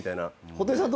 布袋さん